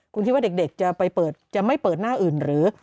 คุณคิดว่าเด็กจะไปเปิดจะไม่เปิดหน้าอื่นหรือ